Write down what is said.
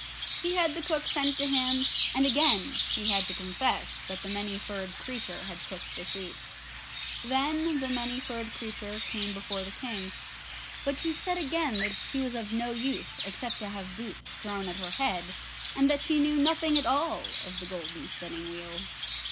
He had the cook sent to him, and again he had to confess that the Many furred Creature had cooked the soup. Then the Many furred Creature came before the King, but she said again that she was of no use except to have boots thrown at her head, and that she knew nothing at all of the golden spinning wheel.